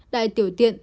đại tiểu tiện